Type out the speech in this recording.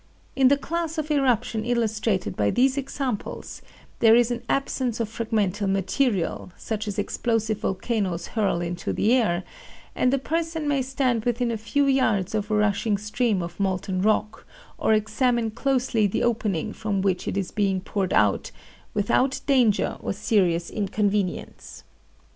In the class of eruption illustrated by these examples, there is an absence of fragmental material, such as explosive volcanoes hurl into the air, and a person may stand within a few yards of a rushing stream of molten rock, or examine closely the opening from which it is being poured out, without danger or serious inconvenience.